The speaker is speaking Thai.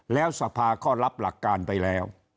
แล้วสภาก็รับหลักการไปแล้ว